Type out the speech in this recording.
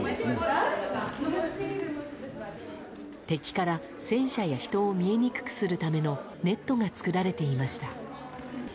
敵から、戦車や人を見えにくくするためのネットが作られていました。